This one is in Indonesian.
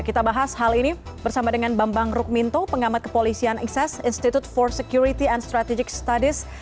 kita bahas hal ini bersama dengan bambang rukminto pengamat kepolisian ekses institute for security and strategic studies